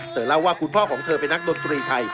เล่าว่าคุณพ่อของเธอเป็นนักดนตรีไทย